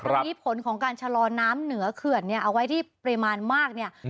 วันนี้ผลของการชะลอน้ำเหนือเขื่อนเนี่ยเอาไว้ที่ปริมาณมากเนี่ย